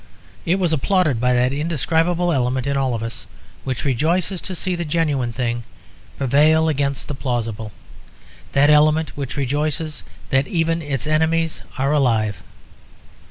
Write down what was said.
It was applauded by that indescribable element in all of us which rejoices to see the genuine thing prevail against the plausible; that element which rejoices that even its enemies are alive.